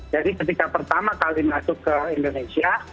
jadi ketika pertama kali masuk ke indonesia